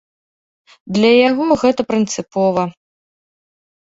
Для яго гэта прынцыпова.